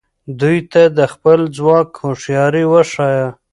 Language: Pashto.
دوی ته د خپل ځواک هوښیاري وښایه.